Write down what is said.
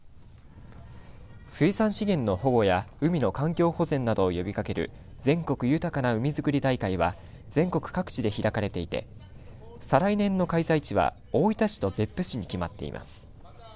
水産資源の保護や海の環境保全などを呼びかける全国豊かな海づくり大会は全国各地で開かれていて再来年の開催地は大分市と別府市に決まっています。